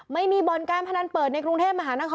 ไม่มีบ่อนการพนันเปิดในกรุงเทพมหานคร